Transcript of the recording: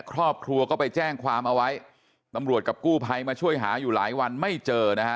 ครอบครัวก็ไปแจ้งความเอาไว้ตำรวจกับกู้ภัยมาช่วยหาอยู่หลายวันไม่เจอนะฮะ